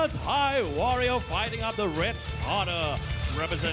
สวัสดีทุกคน